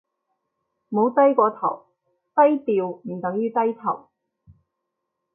冇低過頭，低調唔等於低頭